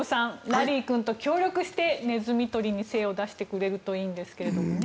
ラリー君と協力してネズミ捕りに精を出してくれるといいんですけどね。